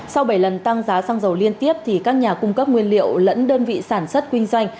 sau bảy lần tăng giá xăng dầu liên tiếp các nhà cung cấp nguyên liệu lẫn đơn vị sản xuất kinh doanh